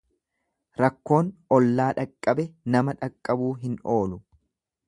Rakkoon ollaa dhaqqabe nama dhaqqabuu hin oolu.